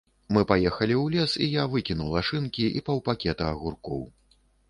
Мы паехалі ў лес, і я выкінула шынкі і паўпакета агуркоў.